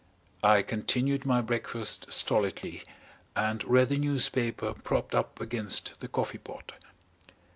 I continued my breakfast stolidly and read the newspaper propped up against the coffee pot.